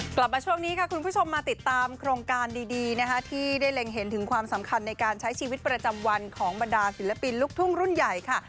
กลับมาช่วงนี้ค่ะคุณผู้ชมมาติดตามโครงการดีนะคะที่ได้เล็งเห็นถึงความสำคัญในการใช้ชีวิตประจำวันของบรรดาศิลปินลูกทุ่งรุ่นใหญ่ค่ะ